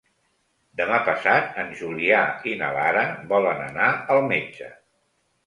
Demà passat en Julià i na Lara volen anar al metge.